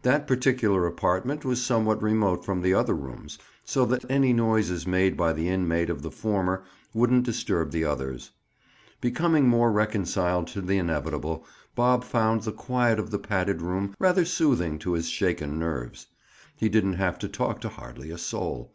That particular apartment was somewhat remote from the other rooms, so that any noises made by the inmate of the former wouldn't disturb the others. Becoming more reconciled to the inevitable, Bob found the quiet of the padded room rather soothing to his shaken nerves. He didn't have to talk to hardly a soul.